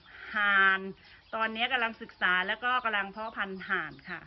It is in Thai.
จากนี้กำลังศึกษาคุมมหาญ